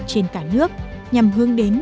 trên cả nước nhằm hướng đến